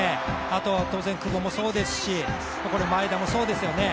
あとは当然久保もそうですし前田もそうですよね。